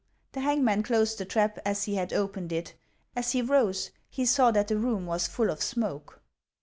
The hauguiau closed the trap as he had opened it ; as he ruse, he saw that the room was full of smoke.